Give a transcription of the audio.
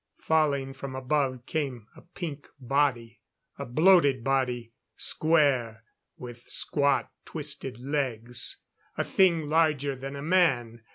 Falling from above came a pink body. A bloated body, square, with squat, twisted legs; a thing larger than a man.